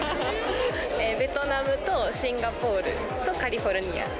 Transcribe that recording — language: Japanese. ベトナムとシンガポールとカリフォルニア。